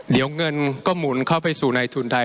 เดี๋ยวเงินก็หมุนเข้าไปสู่ในทุนไทย